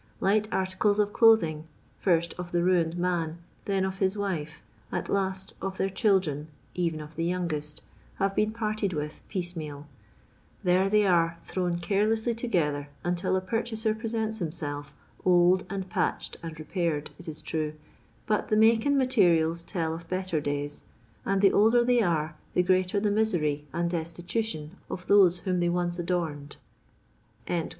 Light articles of clothing, first of the ruined man, then of his wife, at lost of their children, even of the youngest, have been parted with, piecemeal There they are, thrown carelessly together until a purohaser presents himself, old, and patched and repaired, it is true; but the make and materials tell of better days : and the older they are, the greater the misery and destitution of those whom they once adorned."